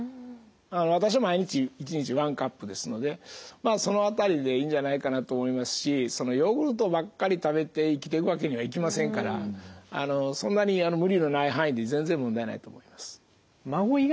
私は毎日１日１カップですのでその辺りでいいんじゃないかなと思いますしそのヨーグルトばっかり食べて生きていくわけにはいきませんからそんなに無理のない範囲で全然問題ないと思います。